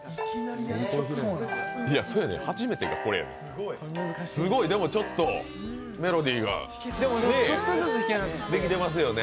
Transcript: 初めてがこれやねん、すごいでもちょっと、メロディーができてますよね。